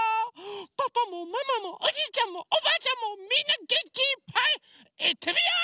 パパもママもおじいちゃんもおばあちゃんもみんなげんきいっぱいいってみよう！